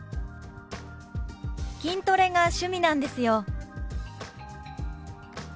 「筋トレが趣味なんですよ」。